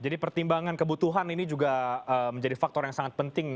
jadi pertimbangan kebutuhan ini juga menjadi faktor yang sangat penting